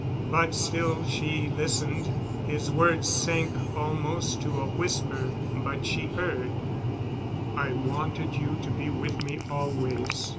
But still she listened. His words sank almost to a whisper, but she heard. "I wanted you to be with me always.